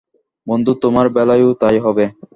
বন্ধু, তোমার বেলায়ও তাই হবে।